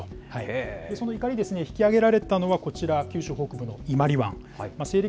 そのいかりですね、引き揚げられたのはこちら、九州北部の伊万里湾。